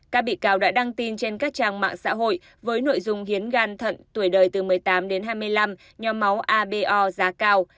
các bị cáo đã đăng tin trên các trang mạng xã hội với nội dung hiến gan thận tuổi đời từ một mươi tám đến hai mươi năm nhóm máu abo giá cao